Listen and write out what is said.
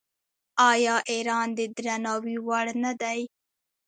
آیا ایران د درناوي وړ نه دی؟